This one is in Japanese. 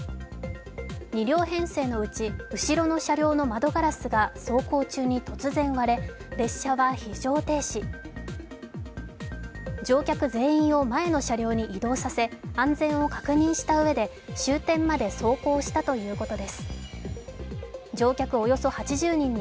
２両編成のうち、後ろの車両の窓ガラスが走行中に突然割れ、列車は非常停止乗客全員を前の車両に移動させ安全を確認したうえで、終点まで走行したということです。